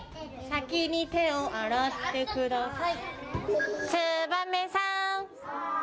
先に手を洗ってください。